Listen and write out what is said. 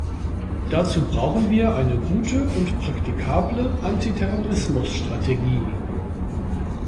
Dazu brauchen wir eine gute und praktikable Antiterrorismus-Strategie.